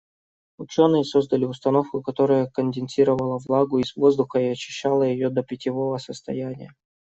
Учёные создали установку, которая конденсировала влагу из воздуха и очищала её до питьевого состояния.